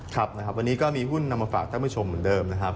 ครับนะครับวันนี้ก็มีหุ้นนำมาฝากท่านผู้ชมเหมือนเดิมนะครับ